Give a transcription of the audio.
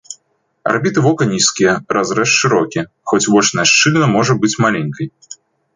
Арбіты вока нізкія, разрэз шырокі, хоць вочная шчыліна можа быць маленькай.